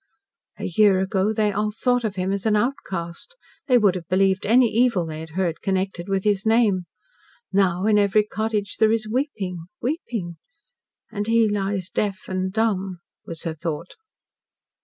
"A year ago they all thought of him as an outcast. They would have believed any evil they had heard connected with his name. Now, in every cottage, there is weeping weeping. And he lies deaf and dumb," was her thought.